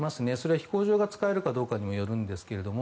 飛行場が使えるかどうかにもよるんですけれども。